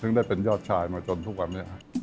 ซึ่งได้เป็นยอดชายมาจนทุกวันนี้